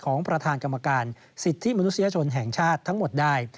ของประธานกรรมการสิทธิมนุษยชนแห่งชาติทั้งหมดได้